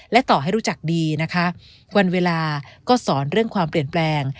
และต่อให้รู้จักดีนะคะวันเวลาก็สอนเรื่องความเปลี่ยนแปลง